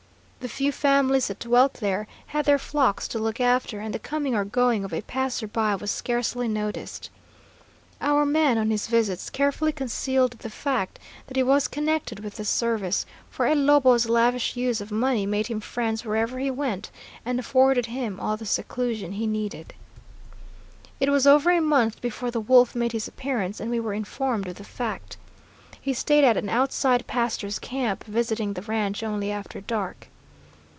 The few families that dwelt there had their flocks to look after, and the coming or going of a passer by was scarcely noticed. Our man on his visits carefully concealed the fact that he was connected with this service, for El Lobo's lavish use of money made him friends wherever he went, and afforded him all the seclusion he needed. "It was over a month before the wolf made his appearance, and we were informed of the fact. He stayed at an outside pastor's camp, visiting the ranch only after dark.